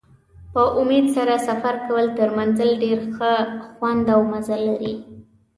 په امید سره سفر کول تر منزل ډېر ښه خوند او مزه لري.